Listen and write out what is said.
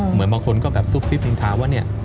เหมือนบางคนก็แบบซุบซิบนินทาว่าเนี่ย